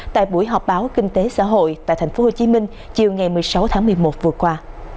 tại buổi họp báo kinh tế xã hội tại tp hcm chiều ngày một mươi sáu tháng một mươi một vừa qua